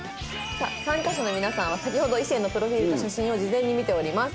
参加者の皆さんは先ほど異性のプロフィールと写真を事前に見ております。